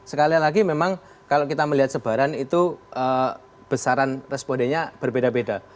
sekali lagi memang kalau kita melihat sebaran itu besaran respondennya berbeda beda